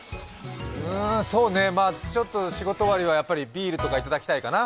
うーん、そうね、ちょっと仕事終わりはやっぱりビールとかいただきたいかな。